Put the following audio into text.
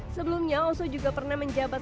sebelumnya oso juga pernah menjabat